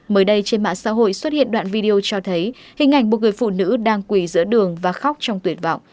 mới đây trên mạng xã hội xuất hiện đoạn video cho thấy hình ảnh một người phụ nữ đang quỳ giữa đường và khóc trong tuyệt vọng